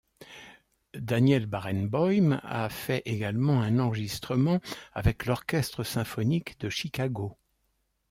Daniel Barenboim a fait également un enregistrement avec l'Orchestre Symphonique de Chicago.